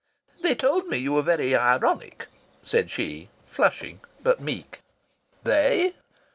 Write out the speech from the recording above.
"They told me you were very ironic," said she, flushing but meek. "They!"